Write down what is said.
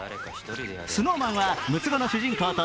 ＳｎｏｗＭａｎは６つ子の主人公と